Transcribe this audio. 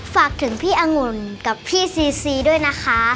ฝากถึงพี่องุ่นกับพี่ซีซีด้วยนะคะ